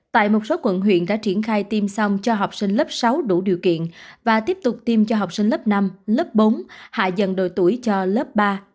tại một số quận huyện đã triển khai tiêm xong cho học sinh lớp sáu đủ điều kiện và tiếp tục tiêm cho học sinh lớp năm lớp bốn hạ dần độ tuổi cho lớp ba